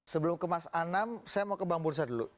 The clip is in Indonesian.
sebelum ke mas anam saya mau ke bang bursa dulu